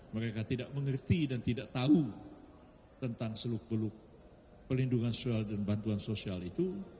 mereka tidak mengerti dan tidak tahu tentang seluk beluk pelindungan sosial dan bantuan sosial itu